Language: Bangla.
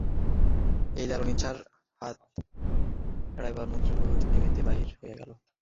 সেই দারুণ ইচ্ছার হাত এড়াইবার জন্য মহেন্দ্র ছুটিয়া বাড়ি হইতে বাহির হইয়া গেল।